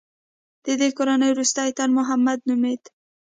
د دې کورنۍ وروستی تن محمد نومېده.